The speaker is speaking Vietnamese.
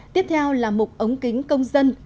tiếp theo là mục ống kính công dân